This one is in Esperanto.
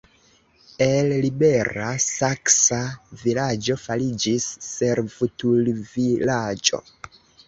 El libera saksa vilaĝo fariĝis servutulvilaĝo.